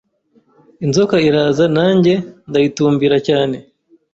Inzoka iraza nanjye ndayitumbira cyane